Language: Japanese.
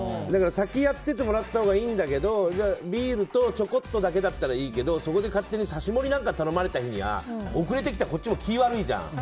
先にやっててもらったほうがいいんだけどビールとちょこっとだけならいいけど、そこで勝手に刺し盛りなんか頼まれた日には遅れてきたこっちも気悪いじゃん。